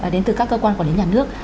đến từ các cơ quan quản lý nhà nước